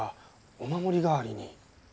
お守り代わりに。